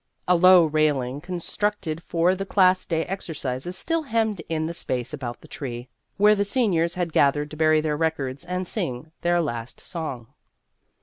A low railing constructed for the Class Day exercises still hemmed in the space about the tree, where the seniors had gathered to bury their records and sing their last song.